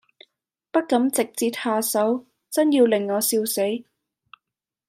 不敢直捷下手，眞要令我笑死。